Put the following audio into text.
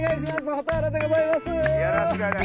蛍原でございます！